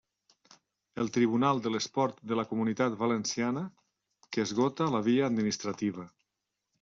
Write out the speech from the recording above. El Tribunal de l'Esport de la Comunitat Valenciana, que esgota la via administrativa.